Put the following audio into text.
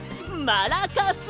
マラカス！